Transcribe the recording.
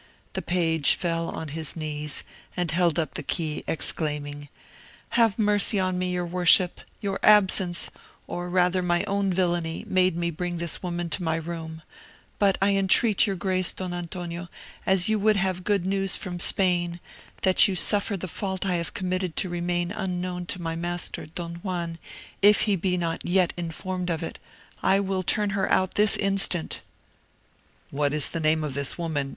The page fell on his knees, and held up the key, exclaiming, "Have mercy on me, your worship: your absence, or rather my own villainy, made me bring this woman to my room; but I entreat your grace, Don Antonio, as you would have good news from Spain, that you suffer the fault I have committed to remain unknown to my master, Don Juan, if he be not yet informed of it; I will turn her out this instant." "What is the name of this woman?"